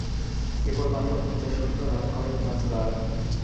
কেবলমাত্র পঞ্চাশোর্ধ্ব রান করেন পাঁচবার।